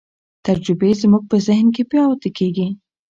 تجربې زموږ په ذهن کې پاتې کېږي.